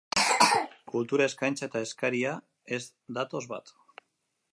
Kultura eskaintza eta eskaria ez datoz bat.